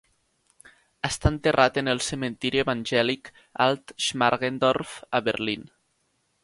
Està enterrat en el cementiri evangèlic Alt-Schmargendorf a Berlín.